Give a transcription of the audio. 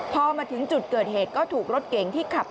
พอมาถึงจุดเกิดเหตุก็ถูกรถเก๋งที่ขับ